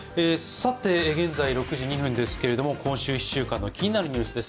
現在６時２分ですけど、今週１週間の気になるニュースです。